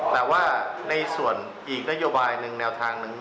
แต่ว่าในส่วนอีกนโยบายหนึ่งแนวทางหนึ่ง